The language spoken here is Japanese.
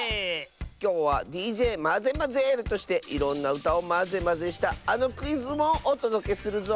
きょうはＤＪマゼマゼールとしていろんなうたをマゼマゼしたあのクイズもおとどけするぞ！